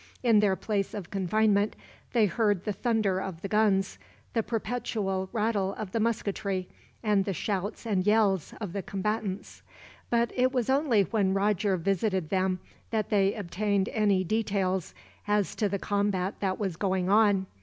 In their place of confinement they heard the thunder of the guns, the perpetual rattle of the musketry, and the shouts and yells of the combatants; but it was only when Roger visited them that they obtained any details as to the combat that was going on.